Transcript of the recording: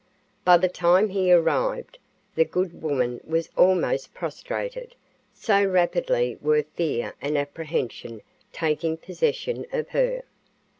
By the time he arrived, the good woman was almost prostrated, so rapidly were fear and apprehension taking possession of her.